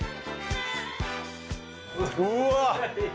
うわ。